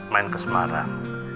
main ke semarang